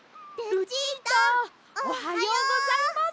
ルチータおはようございます。